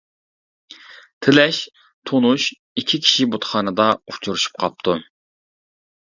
تىلەش. تونۇش ئىككى كىشى بۇتخانىدا ئۇچرىشىپ قاپتۇ.